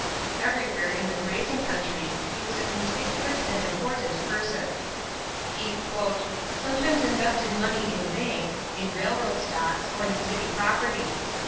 Everywhere in the grazing country he was a conspicuous and important person. He "sometimes invested money in banks, in railroad stocks, or in city property....